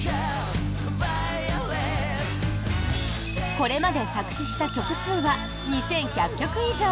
これまで作詞した曲数は２１００曲以上。